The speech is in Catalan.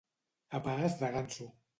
A pas de ganso.